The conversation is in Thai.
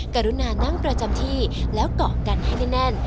กรุณานั่งประจำที่แล้วเกาะกันให้แน่น